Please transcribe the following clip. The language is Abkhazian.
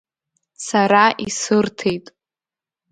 Сара исырҭеит.